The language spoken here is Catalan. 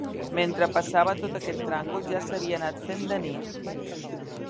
Mentre passava tot aquest tràngol ja s'havia anat fent de nit